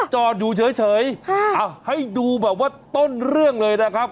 จอดอยู่เฉยให้ดูแบบว่าต้นเรื่องเลยนะครับ